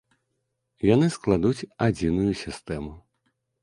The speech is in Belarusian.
Яны складуць адзіную сістэму.